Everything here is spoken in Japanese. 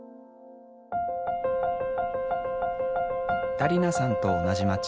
ダリナさんと同じ街